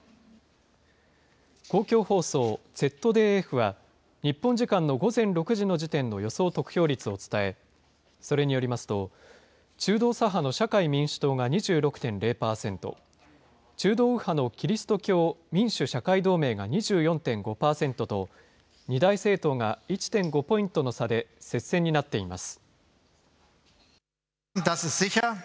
公共放送ＺＤＦは、日本時間の午前６時の時点の予想得票率を伝え、それによりますと、中道左派の社会民主党が２６．０％、中道右派のキリスト教民主・社会同盟が２４．５％と、二大政党が１．５ポイントの差で接戦になっています。